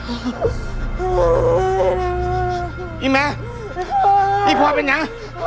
อีแม่อีพ่อเป็นไง